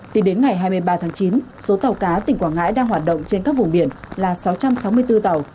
tính đến ngày hai mươi ba tháng chín số tàu cá tỉnh quảng ngãi đang hoạt động trên các vùng biển là sáu trăm sáu mươi bốn tàu